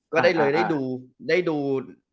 ก็ได้เลยได้ดู